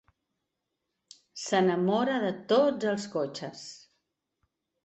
S'enamora de tots els cotxes.